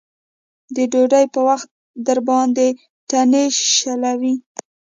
د ډوډۍ په وخت درباندې تڼۍ شلوي.